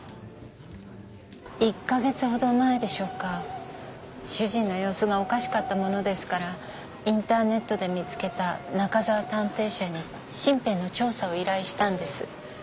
１か月ほど前でしょうか主人の様子がおかしかったものですからインターネットで見付けた中沢探偵社に身辺の調査を依頼したんです。